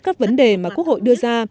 các vấn đề mà quốc hội đưa ra